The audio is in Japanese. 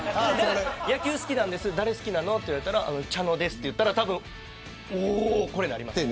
野球好きなんです誰、好きなのと言われたら茶野ですと言ったらおおっとなります。